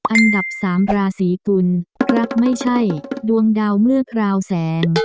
อันดับสามราศีกุลรักไม่ใช่ดวงดาวเมื่อคราวแสง